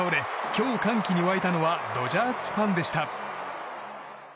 今日、歓喜に沸いたのはドジャースファンでした。